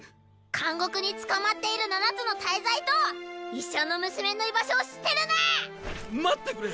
監獄に捕まっている七つの大罪と医者の娘の居場所を知ってるな⁉待ってくれ！